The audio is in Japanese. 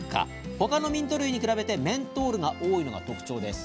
他のミント類に比べてメントールが多いのが特徴です。